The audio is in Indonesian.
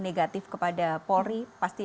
negatif kepada polri pasti